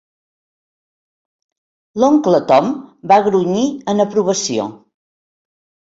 L'oncle Tom va grunyir en aprovació.